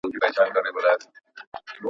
که تعصب نه وي نو حقیقت به څرګند سي.